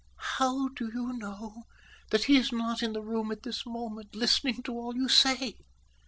"How do you know that he is not in the room at this moment, listening to all you say?"